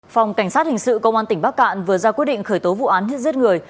phòng cảnh sát hình sự công an tỉnh bắc cạn vừa ra quyết định khởi tố vụ án giết người